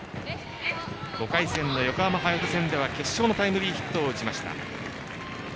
５回戦の横浜隼人戦では決勝のタイムリーヒットを打ちました。